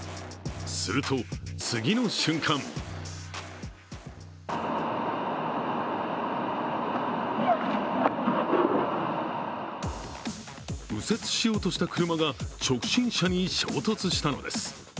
すると、次の瞬間右折しようとした車が直進車に衝突したのです。